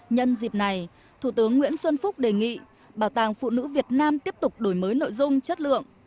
nhân dịp này thủ tướng nguyễn xuân phúc đề nghị bảo tàng phụ nữ việt nam tiếp tục đổi mới nội dung chất lượng